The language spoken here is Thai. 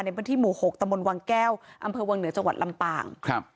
ในพันธุ์ที่หมู่๖ตมวังแก้วอำเภอวังเหนือจังหวัดลำปาง